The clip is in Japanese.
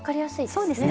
そうですね。